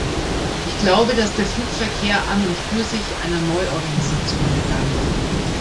Ich glaube, dass der Flugverkehr an und für sich einer Neuorganisation bedarf.